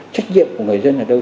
trách nhiệm của người dân ở đâu